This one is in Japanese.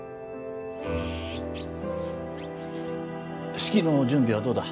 式の準備はどうだ？